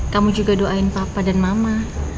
kamu juga doain papa dan mama